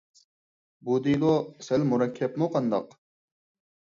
بۇ دېلو سەل مۇرەككەپمۇ قانداق؟